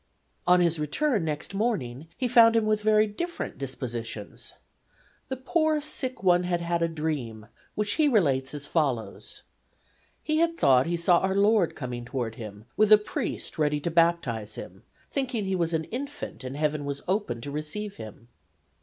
On his return next morning he found him with very different dispositions. The poor, sick one had had a dream, which he relates as follows: He had thought he saw our Lord coming toward him with a priest ready to baptize him, thinking he was an infant and heaven was open to receive him.